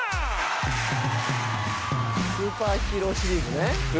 スーパーヒーローシリーズね。